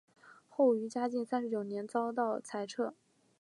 后于嘉靖三十九年时遭到裁撤。